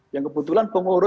yang kebetulan pengguna